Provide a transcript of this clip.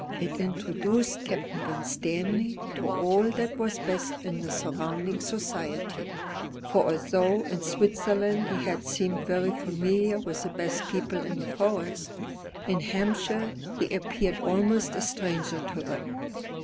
It introduced Captain Winstanley to all that was best in the surrounding society; for although in Switzerland he had seemed very familiar with the best people in the Forest, in Hampshire he appeared almost a stranger to them.